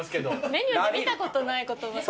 メニューで見たことない言葉。